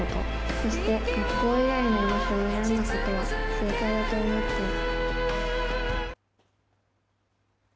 そして、学校以外の居場所を選んだことは正解だと思ってる。